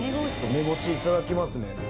メゴチいただきますね。